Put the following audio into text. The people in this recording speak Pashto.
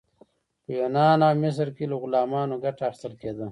په یونان او مصر کې له غلامانو ګټه اخیستل کیده.